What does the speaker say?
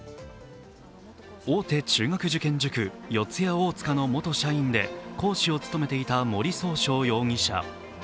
大手中学受験塾四谷大塚の元社員で講師を務めていた森崇翔容疑者。